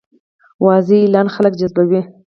واضح اعلان خلک جذبوي.